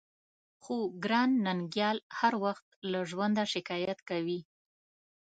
خو ګران ننګيال هر وخت له ژونده شکايت کوي.